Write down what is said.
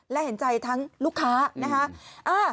และเห็นใจทั้งลูกค้านะคะ